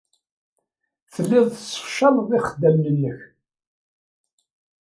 Telliḍ tessefcaleḍ ixeddamen-nnek.